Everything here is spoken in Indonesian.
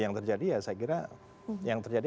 yang terjadi ya saya kira yang terjadi